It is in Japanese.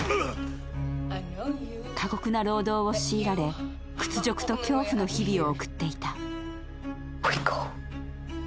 過酷な労働を強いられ、屈辱と恐怖の日々を送っていた。